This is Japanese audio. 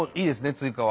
追加は。